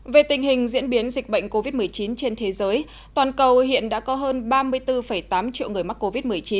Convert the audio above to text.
về tình hình diễn biến dịch bệnh covid một mươi chín trên thế giới toàn cầu hiện đã có hơn ba mươi bốn tám triệu người mắc covid một mươi chín